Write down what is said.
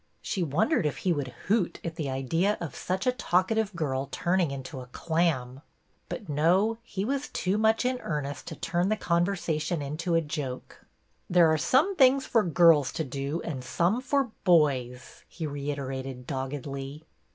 She wondered if he would hoot at the idea of such a talkative girl turning into a clam ! But no, he was too much in earnest to turn the conversation into a joke. " There are some things for girls to do and some for boys,'' he reiterated doggedly.